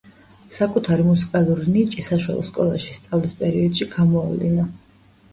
საკუთარი მუსიკალური ნიჭი საშუალო სკოლაში სწავლის პერიოდში გამოავლინა.